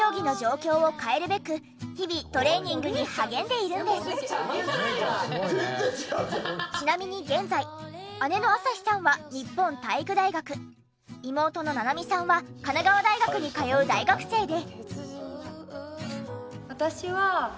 そんなちなみに現在姉の朝日さんは日本体育大学妹の七海さんは神奈川大学に通う大学生で。